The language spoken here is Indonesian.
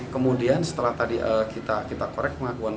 kemudian setelah tadi kita korek pengakuan